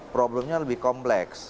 problemnya lebih kompleks